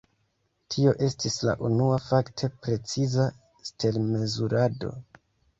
Tio estis la unua fakte preciza stel-mezurado.